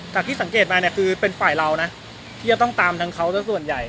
ที่สังเกตมาเนี่ยคือเป็นฝ่ายเรานะที่จะต้องตามทั้งเขาสักส่วนใหญ่